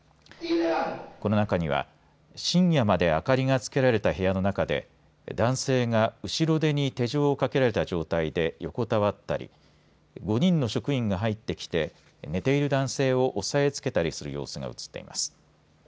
この中には深夜まで明かりがつけられた部屋の中で男性が後ろ手に手錠をかけられた状態で横たわったり５人の職員が入ってきて寝ている男性を押さえつけたりする様子が写っています。